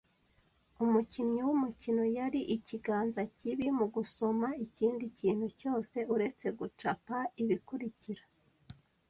umukinyi wumukino yari ikiganza kibi mugusoma ikindi kintu cyose uretse gucapa - ibikurikira